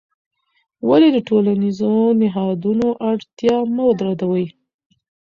ولې د ټولنیزو نهادونو اړتیا مه ردوې؟